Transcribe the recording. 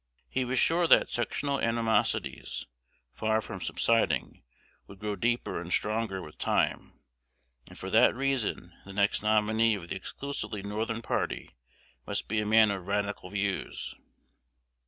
He was sure that sectional animosities, far from subsiding, would grow deeper and stronger with time; and for that reason the next nominee of the exclusively Northern party must be a man of radical views.